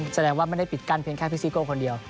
แสดงว่าไม่ได้ปิดกั้นเพียงแค่พี่ซิโก้คนเดียว